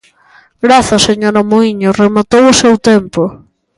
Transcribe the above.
Grazas, señora Muíño, rematou o seu tempo.